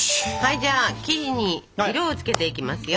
じゃあ生地に色を付けていきますよ。